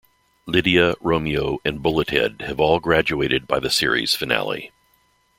Lydia, Romeo, and Bullethead have all graduated by the series' finale.